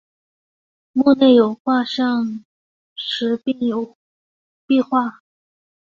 墓内有画像石并绘有壁画。